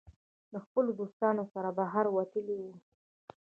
د خپلو دوستانو سره بهر وتلی وو